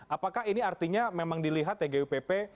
apakah ini artinya memang dilihat tgupp